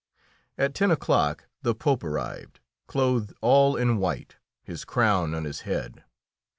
At ten o'clock the Pope arrived, clothed all in white, his crown on his head.